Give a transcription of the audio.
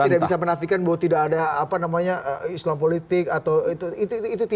jadi tidak bisa menafikan bahwa tidak ada islam politik atau itu